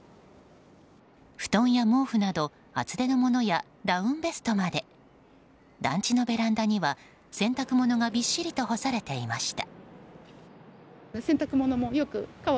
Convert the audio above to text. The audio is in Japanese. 布団や毛布など厚手のものやダウンベストまで団地のベランダには洗濯物がびっしりと干されていました。